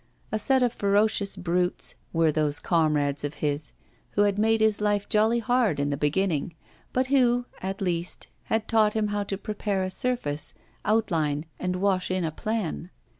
A set of ferocious brutes, were those comrades of his, who had made his life jolly hard in the beginning, but who, at least, had taught him how to prepare a surface, outline, and wash in a plan.